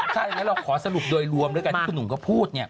ถ้าอย่างนั้นเราขอสรุปโดยรวมที่คุณหนุ่มก็พูด